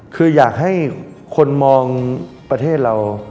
คืออยากให้คนมองประเทศเรา